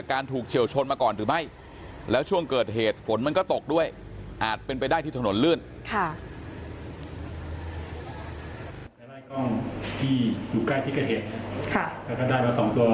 ก่อนเกิดเหตุหลังเกิดเหตุก็เป็นยังไงบ้างอะไรอย่างนี้ครับ